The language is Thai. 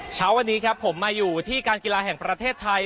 เช้าวันนี้ครับผมมาอยู่ที่การกีฬาแห่งประเทศไทย